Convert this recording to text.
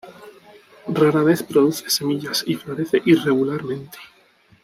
Rara vez produce semillas y florece irregularmente.